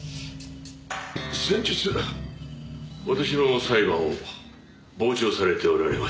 先日私の裁判を傍聴されておられましたね。